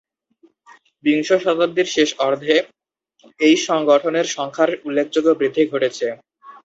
বিংশ শতাব্দীর শেষ অর্ধে এই সংগঠনের সংখ্যার উল্লেখযোগ্য বৃদ্ধি ঘটেছে।